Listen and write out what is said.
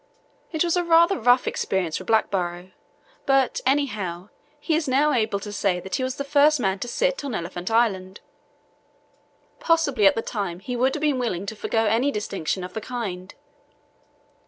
It was a rather rough experience for Blackborrow, but, anyhow, he is now able to say that he was the first man to sit on Elephant Island. Possibly at the time he would have been willing to forgo any distinction of the kind.